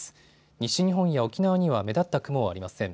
西日本や沖縄には目立った雲はありません。